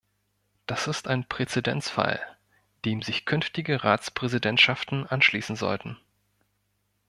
Das ist ein Präzedenzfall, dem sich künftige Ratspräsidentschaften anschließen sollten.